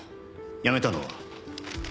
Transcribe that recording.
辞めたのは？